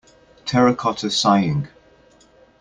Terracotta Sighing.